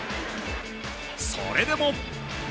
それでも。